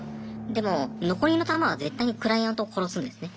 でも残りの弾は絶対にクライアントを殺すんですね。